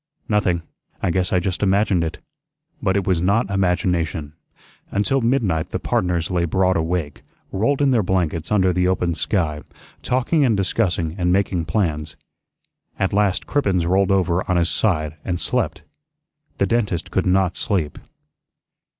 "Nothing. I guess I just imagined it." But it was not imagination. Until midnight the partners lay broad awake, rolled in their blankets under the open sky, talking and discussing and making plans. At last Cribbens rolled over on his side and slept. The dentist could not sleep.